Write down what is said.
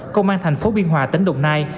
công an thành phố biên hòa tỉnh đồng nai